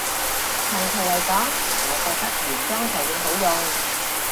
長期來講，我覺得原裝就會好用